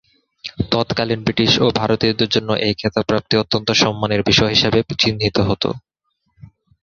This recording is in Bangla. তৎকালীন ব্রিটিশ ও ভারতীয়দের জন্য এ খেতাব প্রাপ্তি অত্যন্ত সম্মানের বিষয় হিসেবে চিহ্নিত হতো।